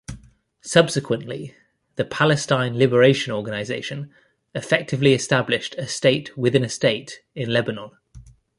Subsequently, the Palestine Liberation Organization effectively established "a state within a state" in Lebanon.